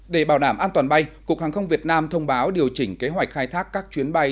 để bảo đảm an toàn bay cục hàng không việt nam thông báo điều chỉnh kế hoạch khai thác các chuyến bay